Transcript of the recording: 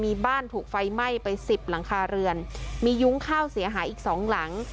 มีบ้านถูกไฟไหม้ไปสิบหลังคาเรือนมียุ้งข้าวเสียหายอีกสองหลัง